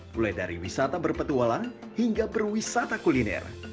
mulai dari wisata berpetualang hingga perwisata kuliner